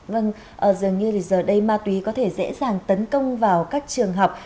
vâng dường như thì giờ đây ma túy có thể dễ dàng tấn công vào các trường học